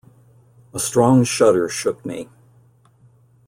A strong shudder shook me.